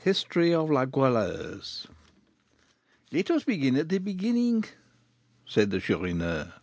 HISTORY OF LA GOUALEUSE. "Let us begin at the beginning," said the Chourineur.